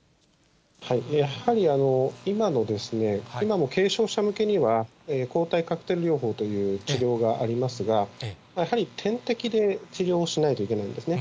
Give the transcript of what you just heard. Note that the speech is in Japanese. やはり今の、今の軽症者向けには、抗体カクテル療法という治療がありますが、やはり点滴で治療しないといけないんですね。